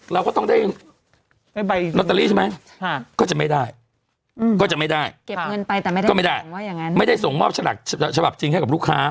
เราก็ต้องได้ลอตเตอรี่ใช่ไหม